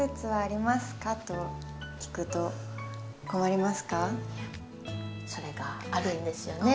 いやそれがあるんですよね。